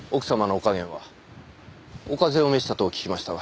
お風邪を召したと聞きましたが。